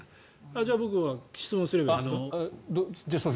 じゃあ僕が質問すればいいですか？